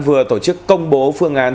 vừa tổ chức công bố phương án